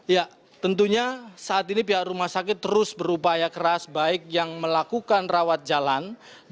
ya tentunya saat ini pihak rumah sakit terus berupaya keras baik yang melakukan rawat jalan